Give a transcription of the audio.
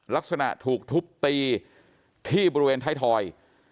ลักษณะถูกทุบตีที่บริเวณไทยทอย